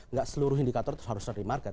nggak seluruh indikator harus dari market